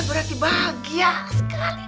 berarti bahagia sekali